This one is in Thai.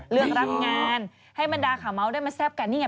เรื่องร่างงานให้มันดาข่าวเม้าร้ายได้มาแซ่บกันนี่ไง